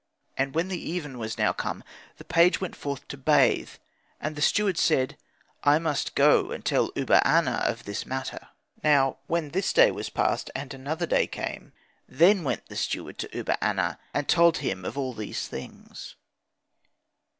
"And when the even was now come the page went forth to bathe. And the steward said, 'I must go and tell Uba aner of this matter.' Now when this day was past, and another day came, then went the steward to Uba aner, and told him of all these things.